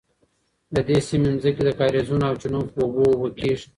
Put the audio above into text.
د دې سیمې ځمکې د کاریزونو او چینو په اوبو اوبه کیږي.